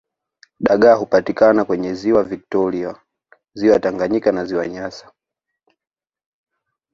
Dagaa hupatikana kwenye ziwa victoria ziwa Tanganyika na ziwa nyasa